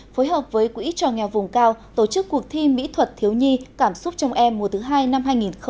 phối hợp với quỹ trò nghèo vùng cao tổ chức cuộc thi mỹ thuật thiếu nhi cảm xúc trong em mùa thứ hai năm hai nghìn một mươi chín